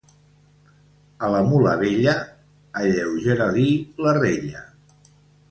A la mula vella, alleugera-li la rella.